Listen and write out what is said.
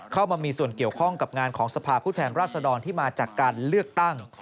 เข้ามามีส่วนเกี่ยวข้องกับงานของสภาพผู้แทนราชดรที่มาจากการเลือกตั้ง